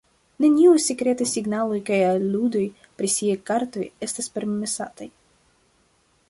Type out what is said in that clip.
Neniuj sekretaj signaloj kaj aludoj pri siaj kartoj estas permesataj.